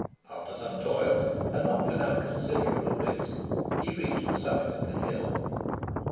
After some toil, and not without considerable risk, he reached the summit of the hill.